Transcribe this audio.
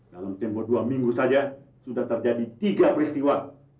dalam tempoh dua minggu saja sudah terjadi tiga peristiwa